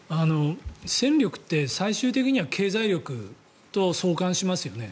戦力って最終的には経済力と相関しますよね。